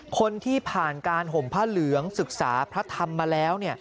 คนที่ผ่านการห่มผ้าเหลืองศึกษาพระธรรมมาแล้ว